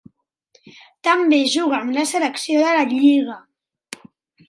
També jugà amb la selecció de la lliga.